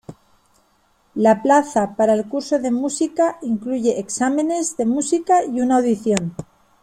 La plaza para el curso de música incluye exámenes de música y una audición.